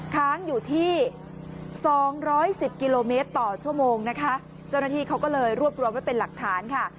ค้างอยู่ที่สองร้อยสิบกิโลเมตรต่อชั่วโมงนะคะเจ้าหน้าที่เขาก็เลยรวบรวมไว้เป็นหลักฐานค่ะ